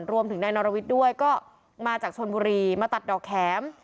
รวมถึงนายนรวิทย์ด้วยก็มาจากชนบุรีมาตัดดอกแข็ม